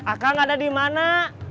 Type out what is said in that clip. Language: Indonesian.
akan ada di mana